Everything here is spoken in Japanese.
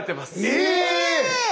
⁉え